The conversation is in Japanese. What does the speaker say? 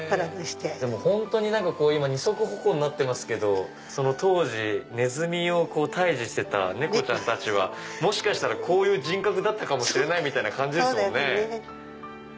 本当に今二足歩行になってますけど当時ネズミを退治してた猫ちゃんたちはもしかしたらこういう人格だったかもしれないですね。